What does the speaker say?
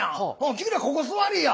君らここ座りいや。